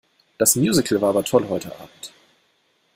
Das Musical war aber toll heute Abend.